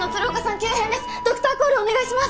急変ですドクターコールお願いします